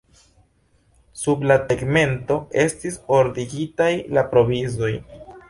Sub la tegmento estis ordigitaj la provizoj.